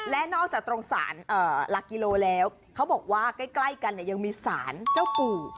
และนอกจากตรงศาลหลักกิโลแล้วเขาบอกว่าใกล้กันเนี่ยยังมีสารเจ้าปู่